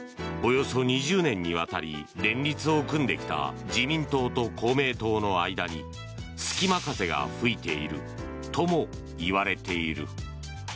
およそ２０年にわたり連立を組んできた自民党と公明党の間に隙間風が吹いているとも言われている。